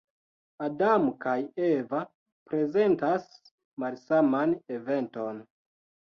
Adamo kaj Eva prezentas malsaman eventon.